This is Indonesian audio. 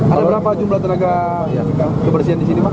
ada berapa jumlah tenaga kebersihan di sini pak